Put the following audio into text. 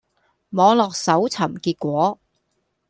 網絡搜尋結果